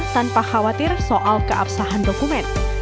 tanpa khawatir soal keabsahan dokumen